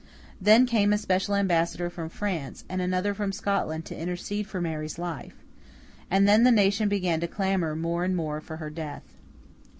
Then came a special ambassador from France, and another from Scotland, to intercede for Mary's life; and then the nation began to clamour, more and more, for her death.